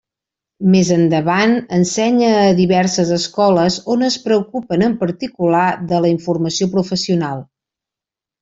Més endavant ensenya a diverses escoles, on es preocupen en particular de la informació professional.